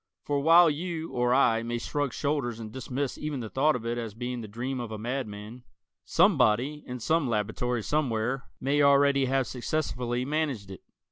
For while you, or I, may shrug shoulders and dismiss even the thought of it as being the dream of a madman, somebody, in some laboratory somewhere, may already have successfully managed it.